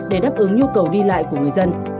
để đáp ứng nhu cầu đi lại của người dân